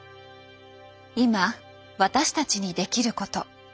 今私たちにできること。